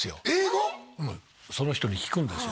その人に聞くんですよ